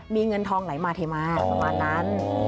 มีเงินทองไหลมาเทมาประมาณนั้น